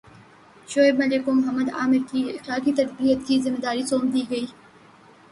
شعیب ملک کو محمد عامر کی اخلاقی تربیت کی ذمہ داری سونپ دی گئی